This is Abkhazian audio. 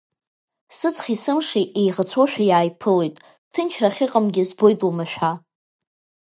Сыҵхи сымши еиӷацәоушәа иааиԥылоит, ҭынчра ахьыҟамгьы збоит омашәа…